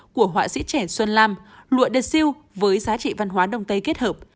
của họa sĩ trẻ xuân lam lụa đê siêu với giá trị văn hóa đông tây kết hợp